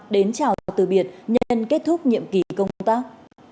đến chào từ biệt nhân kết thúc nhiệm kỳ công tác